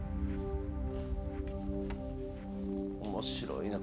面白いな。